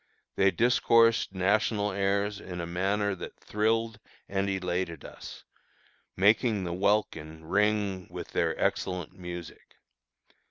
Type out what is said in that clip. They discoursed national airs in a manner that thrilled and elated us, making the welkin ring with their excellent music.